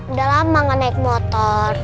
udah lama nggak naik motor